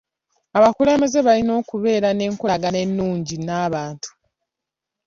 Abakulembeze balina okubeera nenkolagana ennungi n'abantu.